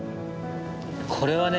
これはね